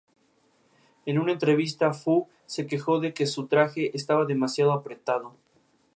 En una entrevista, Fu se quejó de que su traje estaba demasiado apretado.